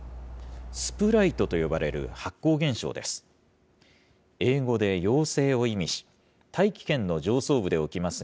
スプライトと呼ばれる発光現象です。